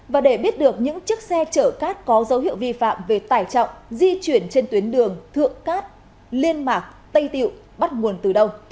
và để biết được những chiếc xe chở cát có dấu hiệu vi phạm về tải trọng di chuyển trên tuyến đường thượng cát liên mạc tây tiệu bắt nguồn từ đâu